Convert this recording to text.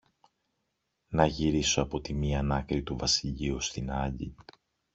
να γυρίσω από τη μίαν άκρη του βασιλείου ως την άλλη